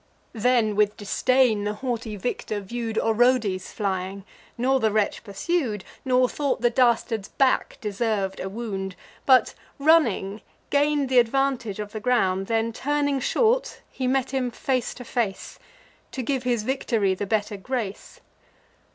Then with disdain the haughty victor view'd Orodes flying, nor the wretch pursued, Nor thought the dastard's back deserv'd a wound, But, running, gain'd th' advantage of the ground: Then turning short, he met him face to face, To give his victory the better grace.